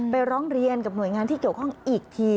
ร้องเรียนกับหน่วยงานที่เกี่ยวข้องอีกที